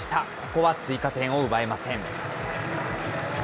ここは追加点を奪えません。